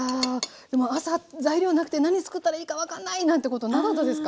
でも朝材料なくて何つくったらいいか分かんないなんてことなかったですか？